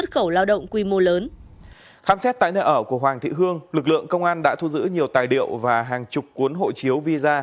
khám xét tại nơi ở của hoàng thị hương lực lượng công an đã thu giữ nhiều tài liệu và hàng chục cuốn hộ chiếu visa